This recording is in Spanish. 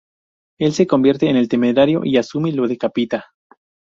Él se convierte en temerario y Azumi lo decapita.